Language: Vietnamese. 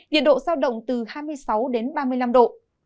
nhiệt độ sao động từ hai mươi sáu đến ba mươi năm độ